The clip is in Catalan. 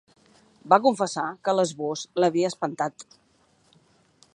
Va confessar que l'esbós l'havia espantat.